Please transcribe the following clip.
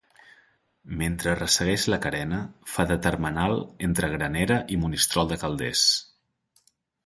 Mentre ressegueix la carena, fa de termenal entre Granera i Monistrol de Calders.